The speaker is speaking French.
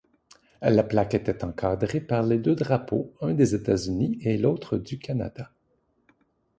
La plaque était encadrée par deux drapeaux, un des États-Unis et l'autre du Canada.